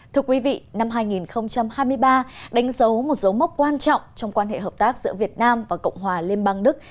thưa quý vị năm hai nghìn hai mươi ba đánh dấu một dấu mốc quan trọng trong quan hệ hợp tác giữa việt nam và cộng hòa liên bang đức